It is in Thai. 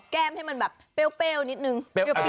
แก้มให้มันแบบเป้วนิดนึง